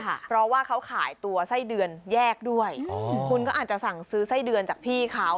เพราะว่าเขาขายตัวไส้เดือนแยกด้วยคุณก็อาจจะสั่งซื้อไส้เดือนจากพี่เขา